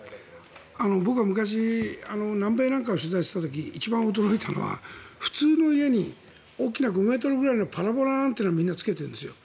僕は昔南米なんかを取材していた時一番驚いたのは普通の家に大きな５ｍぐらいのアンテナをみんなつけているんですよ。